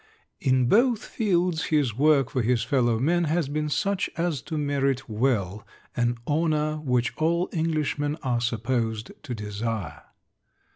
In both fields his work for his fellow men has been such as to merit well an honor which all Englishmen are supposed to desire.